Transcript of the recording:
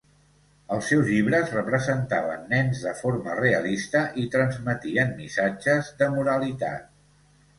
Els seus llibres representaven nens de forma realista i transmetien missatges de moralitat.